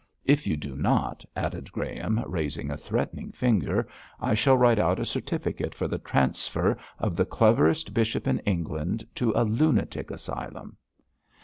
If you do not,' added Graham, raising a threatening finger, 'I shall write out a certificate for the transfer of the cleverest bishop in England to a lunatic asylum.'